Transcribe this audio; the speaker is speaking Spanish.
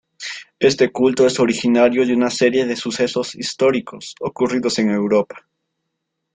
Este culto es originario de una serie de sucesos históricos ocurridos en Europa.